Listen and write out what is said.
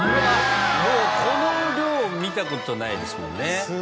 もうこの量見たことないですもんね。